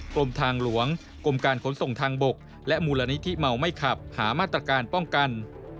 กรมทางหลวงกรมการขนส่งทางบกและมูลนิธิเมาไม่ขับหามาตรการป้องกัน